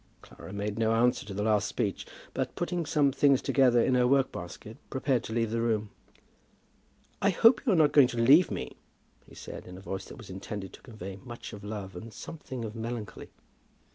Clara made no answer to the last speech, but, putting some things together in her work basket, prepared to leave the room. "I hope you are not going to leave me?" he said, in a voice that was intended to convey much of love, and something of melancholy.